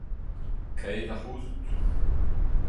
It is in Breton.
Kae da c'houzout !